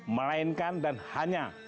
melainkan dan hanya